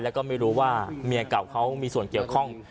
แล้วก็ไม่รู้ว่าเมียเก่าเขามีส่วนเกี่ยวข้อง